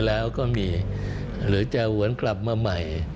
แล้วก็มีหรือจะหวนกลับมาใหม่